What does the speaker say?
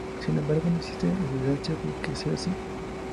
Sin embargo, no existe evidencia de que sea así.